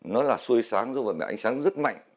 nó là xuôi sáng giữa mặt mẹ ánh sáng rất mạnh